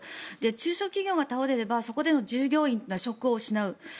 中小企業が倒れればそこの従業員は職を失う。